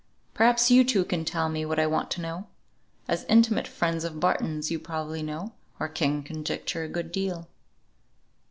Perhaps you two can tell me what I want to know. As intimate friends of Barton's you probably know, or can conjecture a good deal.